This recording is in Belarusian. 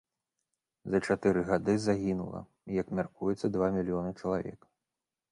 За чатыры гады загінула, як мяркуецца, два мільёны чалавек.